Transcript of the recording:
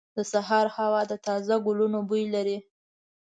• د سهار هوا د تازه ګلونو بوی لري.